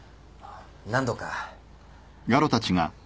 何度か。